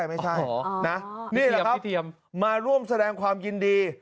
นี่แหละครับมาร่วมแสดงความยินดี